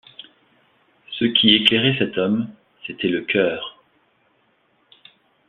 Ce qui éclairait cet homme, c’était le cœur.